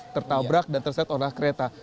tertabrak dan terset oleh kereta